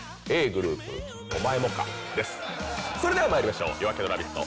それではまいりましょう「夜明けのラヴィット！」